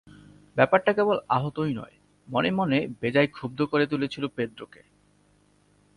ব্যাপারটা কেবল আহতই নয়, মনে মনে বেজায় ক্ষুব্ধ করে তুলেছিল পেদ্রোকে।